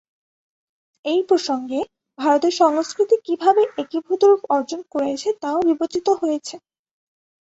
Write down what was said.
এই প্রসঙ্গে, ভারতের সংস্কৃতি কীভাবে একীভূত রূপ অর্জন করেছে তাও বিবেচিত হয়েছে।